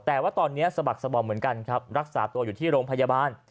แต่ว่าตอนนี้สะบักสบอมเหมือนกันครับรักษาตัวอยู่ที่โรงพยาบาล